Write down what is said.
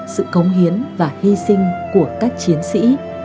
sự cống hiến và hy sinh của các chiến sĩ